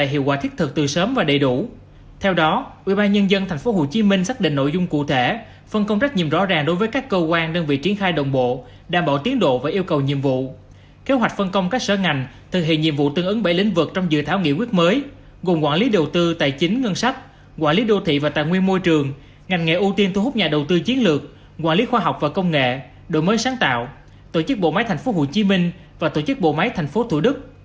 hiện dự thảo nghị quyết mới gồm quản lý đầu tư tài chính ngân sách quản lý đô thị và tài nguyên môi trường ngành nghệ ưu tiên thu hút nhà đầu tư chiến lược quản lý khoa học và công nghệ đội mới sáng tạo tổ chức bộ máy tp hcm và tổ chức bộ máy tp thủ đức